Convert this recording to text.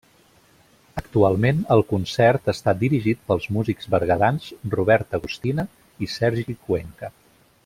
Actualment, el concert està dirigit pels músics berguedans Robert Agustina i Sergi Cuenca.